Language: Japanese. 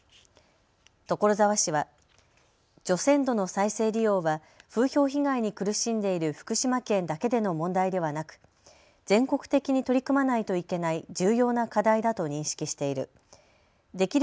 所沢市は除染土の再生利用は風評被害に苦しんでいる福島県だけでの問題ではなく全国的に取り組まないといけない重要な課題だと認識している。